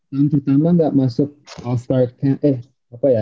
tahun pertama enggak masuk all star eh apa ya